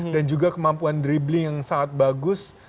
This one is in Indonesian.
dan juga kemampuan dribling yang sangat bagus